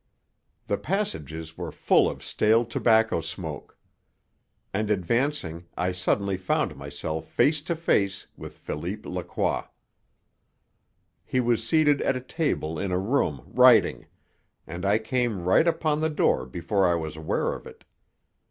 The passages were full of stale tobacco smoke. And advancing I suddenly found myself face to face with Philippe Lacroix. He was seated at a table in a room writing, and I came right upon the door before I was aware of it.